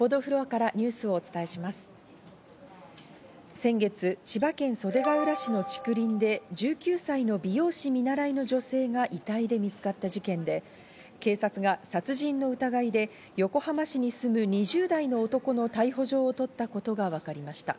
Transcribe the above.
先月、千葉県袖ケ浦市の竹林で１９歳の美容師見習いの女性が遺体で見つかった事件で、警察が殺人の疑いで横浜市に住む２０代の男の逮捕状を取ったことが分かりました。